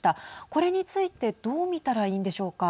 これについてどう見たらいいんでしょうか。